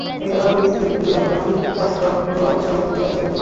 এছাড়াও, Brisbane cricket ground ট্রাস্টের সভাপতিত্ব করেছেন তিনি।